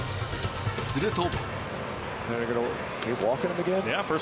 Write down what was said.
すると。